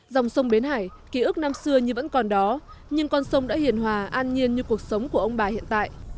dòng sông bến hải ký ức năm xưa như vẫn còn đó nhưng con sông đã hiền hòa an nhiên như cuộc sống của ông bà hiện tại